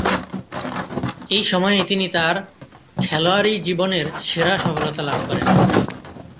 এ সময়েই তিনি তার খেলোয়াড়ী জীবনের সেরা সফলতা লাভ করেন।